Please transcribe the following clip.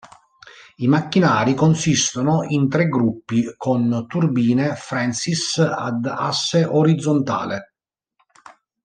I macchinari consistono in tre gruppi, con turbine Francis ad asse orizzontale.